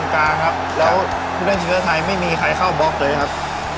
ครับแล้วผู้เล่นชีวิตไทยไม่มีใครไปข้าวบล็อคเลยครับ